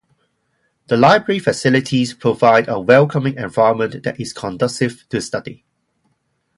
The library facilities provide a welcoming environment that is conducive to study.